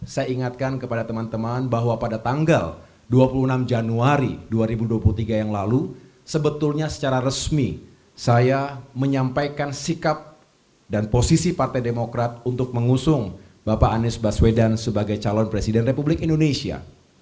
saya ingatkan kepada teman teman bahwa pada tanggal dua puluh enam januari dua ribu dua puluh tiga yang lalu sebetulnya secara resmi saya menyampaikan sikap dan posisi partai demokrat untuk mengusung bapak anies baswedan sebagai calon presiden republik indonesia